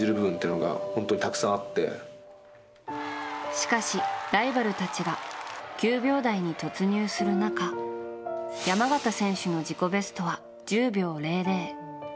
しかし、ライバルたちが９秒台に突入する中山縣選手の自己ベストは１０秒００。